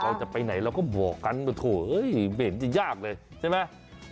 อ๋อเพื่อนจะไปไหนก็บอกกันชักต้องไม่เห็นบางอย่างจังเลย